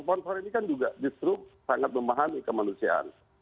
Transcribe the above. sponsor ini kan juga justru sangat memahami kemanusiaan